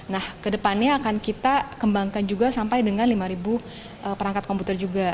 nah kedepannya akan kita kembangkan juga sampai dengan lima perangkat komputer juga